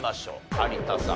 有田さん